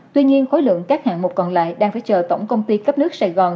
tuy nhiên khối lượng các hạng mục còn lại đang phải chờ tổng công ty cấp nước sài gòn